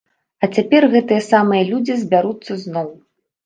А цяпер гэтыя самыя людзі збяруцца зноў.